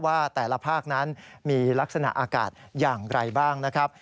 ว่าแต่ละภาคนั้นมีลักษณะอากาศอย่างไรบ้างนะครับ